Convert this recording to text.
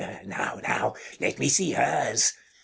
Now, now let me see hers.